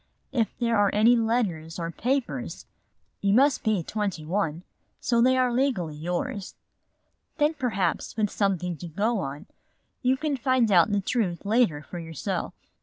If there are any letters or papers, you must be twenty one, so they are legally yours. Then perhaps with something to go on, you can find out the truth later for yourself.